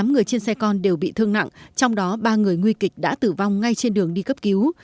tám người trên xe con đều bị thương nặng trong đó ba người nguy kịch đã tử vong ngay trên đường đi cấp cứu